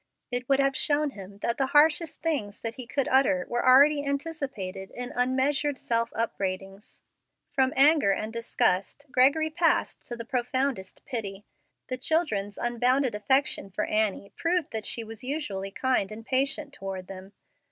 It would have shown him that the harshest things that he could utter were already anticipated in unmeasured self upbraidings. From anger and disgust Gregory passed to the profoundest pity. The children's unbounded affection for Annie proved that she was usually kind and patient toward them.